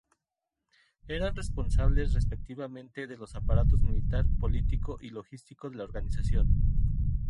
Eran responsables, respectivamente, de los aparatos militar, político y logístico de la organización.